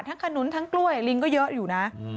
ขนุนทั้งกล้วยลิงก็เยอะอยู่นะ